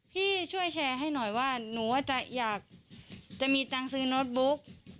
พี่ช่วยแชร์ให้หน่อยว่าหนูอาจจะอยากจะมีตังค์ซื้อโน้ตบุ๊ก